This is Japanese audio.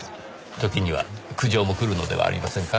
時には苦情も来るのではありませんか？